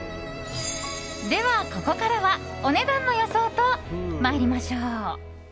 では、ここからはお値段の予想と参りましょう。